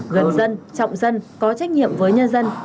gần dân trọng dân có trách nhiệm với nhân dân